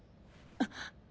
あっ！